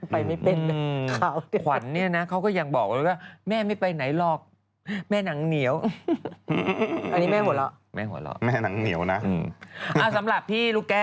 พี่ลูกแก้วเป็นไง